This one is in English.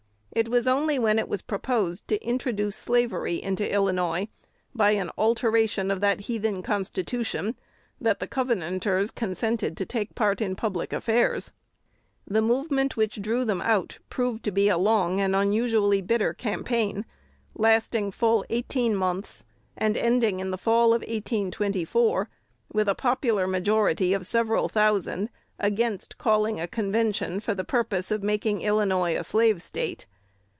It was only when it was proposed to introduce slavery into Illinois by an alteration of that "heathen" Constitution, that the Covenanters consented to take part in public affairs. The movement which drew them out proved to be a long and unusually bitter campaign, lasting full eighteen months, and ending in the fall of 1824, with a popular majority of several thousand against calling a convention for the purpose of making Illinois a Slave State.